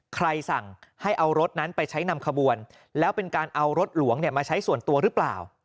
ใครสั่งให้เอารถนั้นไปใช้นำขบวนแล้วเป็นการเอารถหลวงมาใช้ส่วนตัวหรือเปล่า